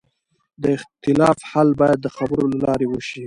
د اختلاف حل باید د خبرو له لارې وشي